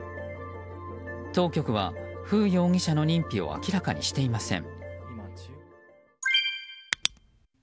当局はフー容疑者の認否を明らかにしていません。